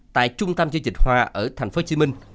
tại trung tâm chương trình hoa ở tp hcm